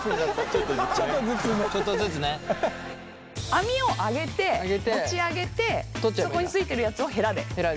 網を上げて持ち上げてそこに付いてるやつをへらで取ってしまう。